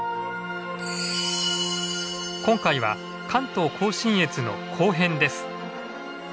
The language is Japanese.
今回は関東甲信越の後編です。